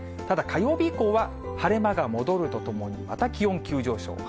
ただ、火曜日以降は晴れ間が戻るとともに、また気温急上昇。